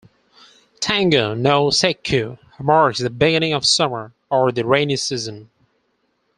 "Tango no Sekku" marks the beginning of summer or the rainy season.